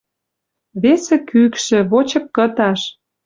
Весӹ кӱкшӹ, вочык кыташ